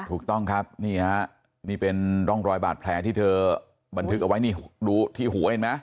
ถูกต้องครับนี่ฮะนี่เป็นร่องรอยบาดแผลที่เธอบันทึกเอาไว้นี่ดูที่หัวเห็นไหม